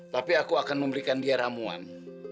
tapi aku akan memberikan dia ramuan